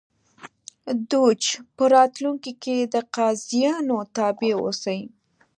دوج په راتلونکي کې د قاضیانو تابع اوسي